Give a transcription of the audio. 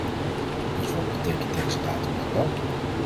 Dus wat betekent deze datum dan wel?